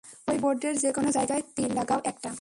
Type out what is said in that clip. ওই বোর্ডের যেকোনো জায়গায় তীর লাগাও একটা।